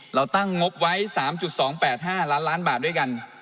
เราตั้งงบไว้๓๒๘๕ล้านล้านบาทด้วยกัน